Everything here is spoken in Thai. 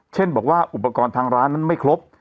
เช่นบอกว่าอุปกรณ์ทางร้านนั้นไม่ครบ